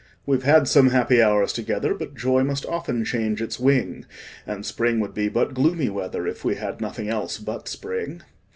We've had some happy hours together, But joy must often change its wing; And spring would be but gloomy weather, If we had nothing else but spring.